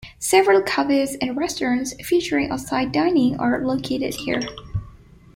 Several cafes and restaurants featuring outside dining are located here.